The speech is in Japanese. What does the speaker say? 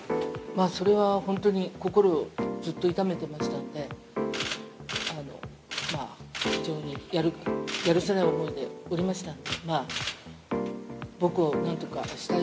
それは本当に心をずっと痛めてましたので、非常にやるせない思いでおりました。